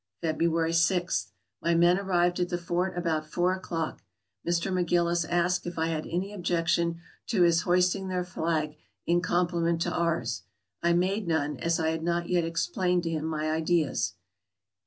February 6. — My men arrived at the fort about four o'clock. Mr. McGillis asked if I had any objection to his hoisting their flag in compliment to ours. I made none, as I had not yet explained to him my ideas.